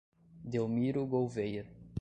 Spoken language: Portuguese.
Delmiro Gouveia